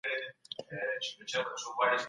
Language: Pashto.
څېړنه باید په ټاکلو معیارونو وسي.